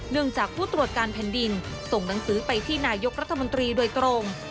จากผู้ตรวจการแผ่นดินส่งหนังสือไปที่นายกรัฐมนตรีโดยตรง